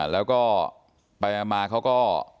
แล้วก็ไปมาเขาก็